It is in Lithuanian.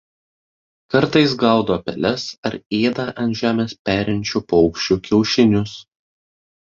Kartais gaudo peles ar ėda ant žemės perinčių paukščių kiaušinius.